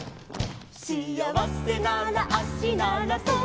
「しあわせなら足ならそう」